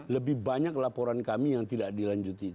lebih banyak laporan kami yang tidak dilanjuti